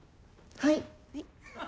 はい。